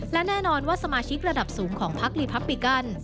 และแน่นอนว่าสมาชิกระดับสูงของพักลีพับปิกัน